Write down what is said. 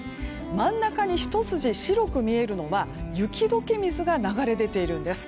真ん中にひと筋白く見えるのは雪解け水が流れ出ているんです。